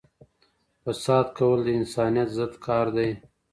فساد کول د انسانیت ضد کار دی.